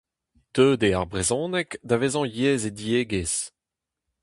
Deuet eo ar brezhoneg da vezañ yezh e diegezh.